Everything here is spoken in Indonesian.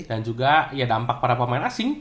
dan juga dampak para pemain asing